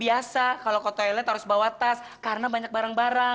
bisa kalau kota ln harus bawa tas karena banyak barang barang